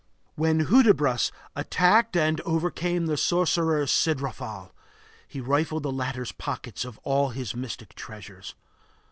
When Hudibras attacked and overcame the sorcerer Sidrophal, he rifled the latter's pockets of all his mystic treasures.